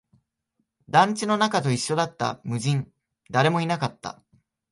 団地の中と一緒だった、無人、誰もいなかった